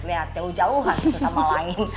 lihat jauh jauhan satu sama lain